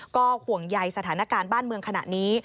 ก็ห่วงใยสถานการณ์บ้านเมืองขณะนี้